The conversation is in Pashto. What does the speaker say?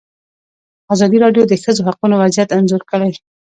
ازادي راډیو د د ښځو حقونه وضعیت انځور کړی.